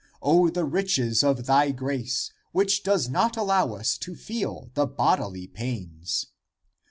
O the riches of thy grace, which does not allow us to feel the bodily pains